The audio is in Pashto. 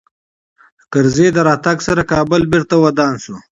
د کرزي د راتګ سره کابل بېرته ودان سو